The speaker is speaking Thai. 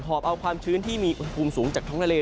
อบเอาความชื้นที่มีอุณหภูมิสูงจากท้องทะเล